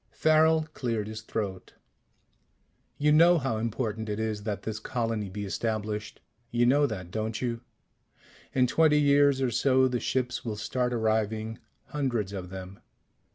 Farrel cleared his throat. "You know how important it is that this colony be established? You know that, don't you? In twenty years or so the ships will start arriving. Hundreds of them.